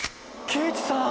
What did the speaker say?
貴一さん！